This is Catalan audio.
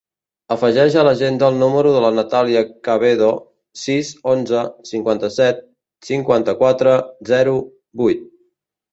Afegeix a l'agenda el número de la Natàlia Cabedo: sis, onze, cinquanta-set, cinquanta-quatre, zero, vuit.